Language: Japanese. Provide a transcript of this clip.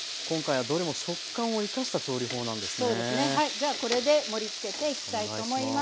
じゃあこれで盛りつけていきたいと思います。